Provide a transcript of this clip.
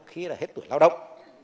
khi là hết tuổi lao động